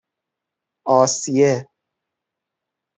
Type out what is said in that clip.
آسیه